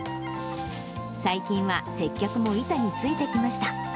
最近は接客も板についてきました。